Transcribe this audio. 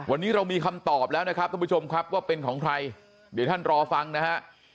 วันนี้เรามีคำตอบแล้วนะครับท่านผู้ชมครับว่าเป็นของใครเดี๋ยวท่านรอฟังนะฮะ